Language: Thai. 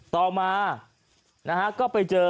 ต่อมาก็ไปเจอ